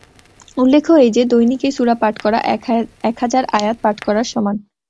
উল্লেখ্য এই যে, দৈনিক এই সূরা পাঠ করা এক হাজার আয়াত পাঠ করার সমান।